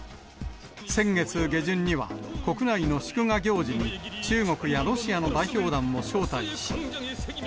先月下旬には、国内の祝賀行事に中国やロシアの代表団を招待し。